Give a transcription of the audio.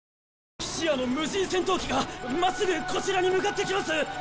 ピシアの無人戦闘機が真っすぐこちらに向かってきます！